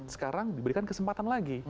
sekarang diberikan kesempatan lagi